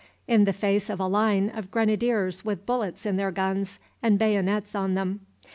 in the face of a line of grenadiers with bullets in their guns and bayonets on them.